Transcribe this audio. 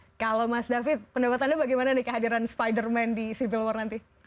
nah kalau mas david pendapatannya bagaimana nih kehadiran spiderman di civil war nanti